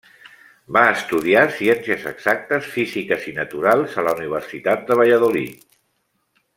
Va estudiar Ciències Exactes, Físiques i Naturals a la Universitat de Valladolid.